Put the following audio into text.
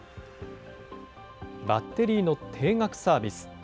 バッテリーの定額サービス。